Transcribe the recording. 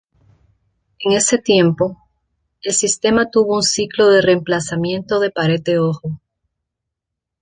En ese tiempo, el sistema tuvo un ciclo de reemplazamiento de pared de ojo.